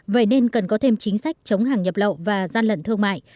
vậy nên cần có thêm chính sách chống hàng nhập lậu và gian lận thương mại